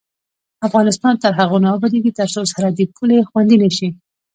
افغانستان تر هغو نه ابادیږي، ترڅو سرحدي پولې خوندي نشي.